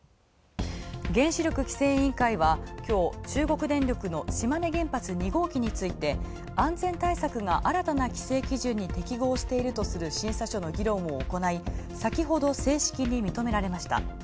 原子力規制委員会は今日、中国電力の島根原発２号機について安全対策が、新たな規制基準に適合しているとする審査書の議論を行い、先ほど正式に認められました。